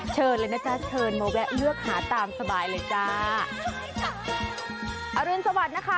เชิญเลยนะจ๊ะเชิญมาแวะเลือกหาตามสบายเลยจ้าอรุณสวัสดิ์นะคะ